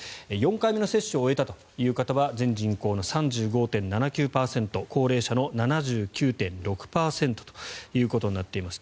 ４回目の接種を終えたという方は全人口の３５．７９％高齢者、７９．６０％ということになっています。